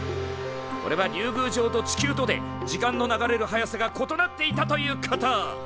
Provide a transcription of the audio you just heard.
これは竜宮城と地球とで時間の流れる速さが異なっていたということ！